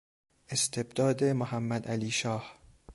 استبداد محمدعلیشاه